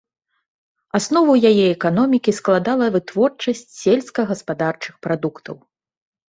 Аснову яе эканомікі складала вытворчасць сельскагаспадарчых прадуктаў.